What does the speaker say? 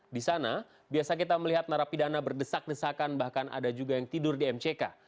di sana biasa kita melihat narapidana berdesak desakan bahkan ada juga yang tidur di mck